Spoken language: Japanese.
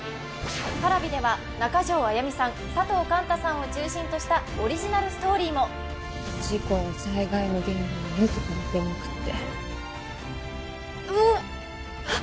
Ｐａｒａｖｉでは中条あやみさん佐藤寛太さんを中心としたオリジナルストーリーも事故や災害の現場に自ら出向くってうおっはっ